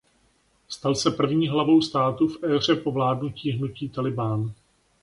Stal se první hlavou státu v éře po vládnutí hnutí Tálibán.